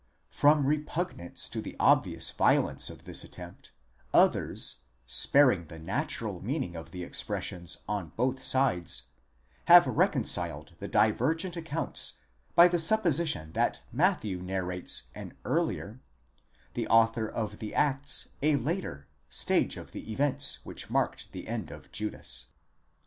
5 From repugnance to the obvious violence of this attempt, others, sparing the natural meaning of the expressions on both sides, have reconciled the divergent accounts by the supposition that Matthew narrates an earlier, the author of the Acts a later, stage of the events which marked the end of Judas.